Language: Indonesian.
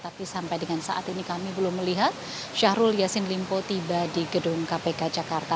tapi sampai dengan saat ini kami belum melihat syahrul yassin limpo tiba di gedung kpk jakarta